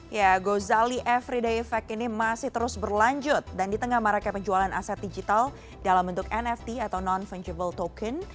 ya gozali everyday effect ini masih terus berlanjut dan di tengah maraknya penjualan aset digital dalam bentuk nft atau non fungible token